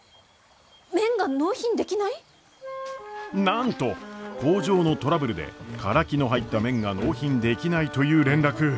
なんと工場のトラブルでカラキの入った麺が納品できないという連絡。